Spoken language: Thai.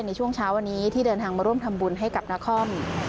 ในช่วงเช้าวันนี้ที่เดินทางมาร่วมทำบุญให้กับนคร